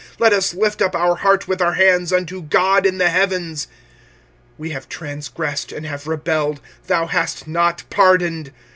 25:003:041 Let us lift up our heart with our hands unto God in the heavens. 25:003:042 We have transgressed and have rebelled: thou hast not pardoned.